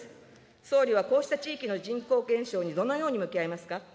総理はこうした地域の人口減少に、どのように向き合いますか。